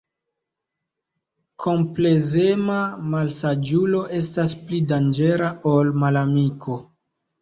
Komplezema malsaĝulo estas pli danĝera ol malamiko.